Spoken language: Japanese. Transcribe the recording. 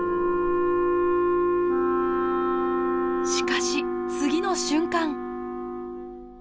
しかし次の瞬間。